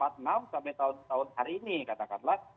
sampai tahun tahun hari ini katakanlah